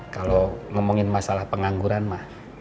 kalau ngomongin masalah pengangguran mah